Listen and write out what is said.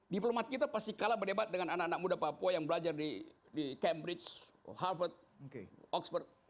diplomat kita pasti kalah berdebat dengan anak anak muda papua yang belajar di cambridge harvard oxford